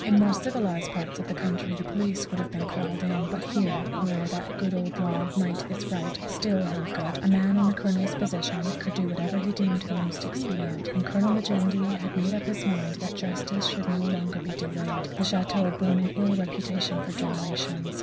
In more civilized parts of the country the police would have been called in, but here, where that good old law, "Might is right," still held good, a man in the Colonel's position could do whatever he deemed most expedient, and Colonel Majendie had made up his mind that justice should no longer be delayed. The château had borne an ill reputation for generations.